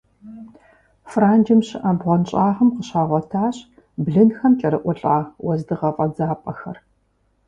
Франджым щыӀэ бгъуэнщӀагъым къыщагъуэтащ блынхэм кӀэрыӀулӀа уэздыгъэ фӀэдзапӀэхэр.